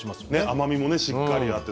甘みもしっかりあって。